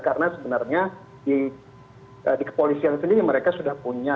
karena sebenarnya di kepolisian sendiri mereka sudah punya